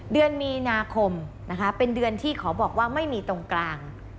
เดือนมีนาคมนะคะเป็นเดือนที่ขอบอกว่าไม่มีตรงกลาง